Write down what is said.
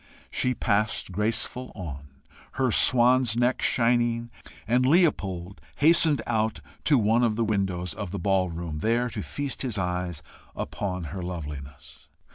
She passed graceful on, her swan's neck shining; and Leopold hastened out to one of the windows of the ball room, there to feast his eyes upon her loveliness.